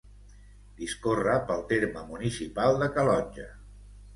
Discorre pel terme municipal de Calonge.